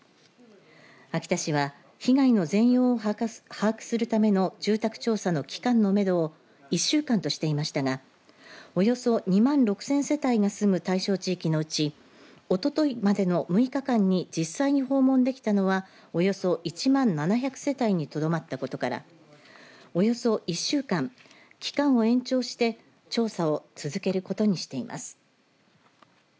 秋田市は被害の全容を把握するための住宅調査の期間のめどを１週間としていましたがおよそ２万６０００世帯が住む対象地域のうちおとといまでの６日間に実際に訪問できたのはおよそ１万７００世帯にとどまったことからおよそ１週間期間を延長して調査を続けることにしています。